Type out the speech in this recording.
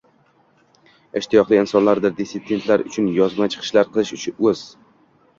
ishtiyoqli” insonlardir, dissidentlar uchun yozma chiqishlar qilish o‘z